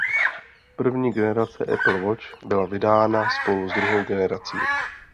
První generace Apple Watch byla vydána spolu s druhou generací.